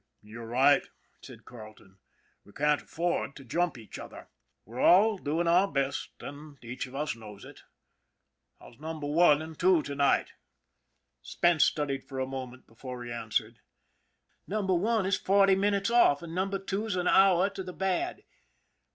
" You're right," said Carleton ;" we can't afford to jump each other. We're all doing our best, and each 30 ON THE IRON AT BIG CLOUD of us knows it. How's Number One and Two to night?" Spence studied for a moment before he answered: " Number One is forty minutes off, and Number Two's an hour to the bad."